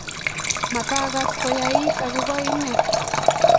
matagas koyait agoba inye